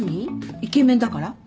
イケメンだから？